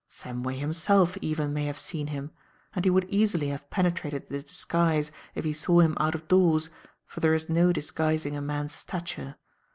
Samway, himself, even, may have seen him, and he would easily have penetrated the disguise if he saw him out of doors, for there is no disguising a man's stature.